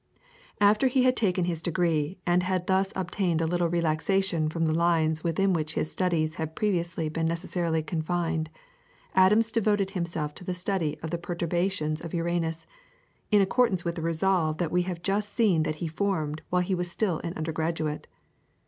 After he had taken his degree, and had thus obtained a little relaxation from the lines within which his studies had previously been necessarily confined, Adams devoted himself to the study of the perturbations of Uranus, in accordance with the resolve which we have just seen that he formed while he was still an undergraduate.